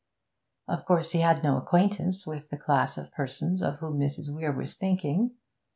Of course he had no acquaintance with the class of persons of whom Mrs. Weare was thinking.